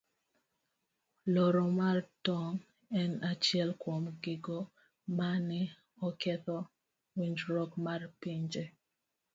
Loro mar tong' en achiel kuom gigo mane oketho winjruok mar pinje.